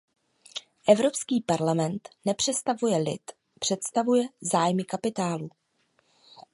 Evropský parlament nepředstavuje lid; představuje zájmy kapitálu.